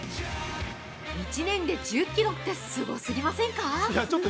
１年で１０キロってすごすぎませんか。